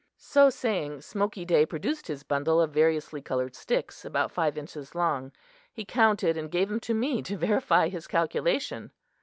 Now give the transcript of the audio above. So saying, Smoky Day produced his bundle of variously colored sticks, about five inches long. He counted and gave them to me to verify his calculation.